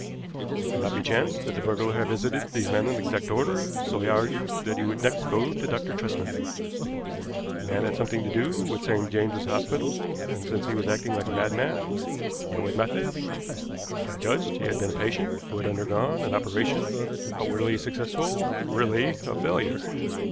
It could not be chance that the burglar had visited these men in exact order, so I argued that he would next go to Dr. Tresman. The man had had something to do with St. James's Hospital, and, since he was acting like a madman, yet with method, I judged he had been a patient who had undergone an operation, outwardly successful, really a failure.